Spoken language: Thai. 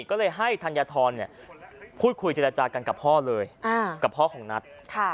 ก็เลยให้ธัญฑรพูดคุยเจรจากันกับพ่อเลยกับพ่อของนัท